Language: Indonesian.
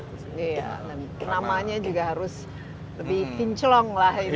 iya namanya juga harus lebih pincelong lah ini